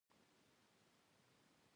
نو بیا یې هم ځای په لومړي قطار کې دی.